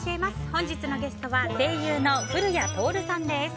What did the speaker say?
本日のゲストは声優の古谷徹さんです。